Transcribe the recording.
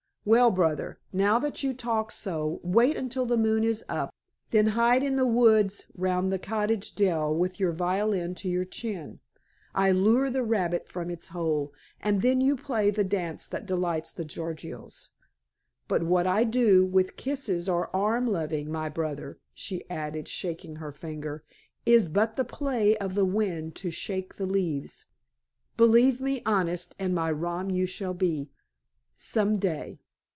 Well, brother, now that you talk so, wait until the moon is up, then hide in the woods round the cottage dell with your violin to your chin. I lure the rabbit from its hole, and then you play the dance that delights the Gorgios. But what I do, with kisses or arm loving, my brother," she added shaking her finger, "is but the play of the wind to shake the leaves. Believe me honest and my rom you shall be some day!"